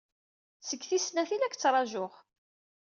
Seg tis snat ay la k-ttṛajuɣ.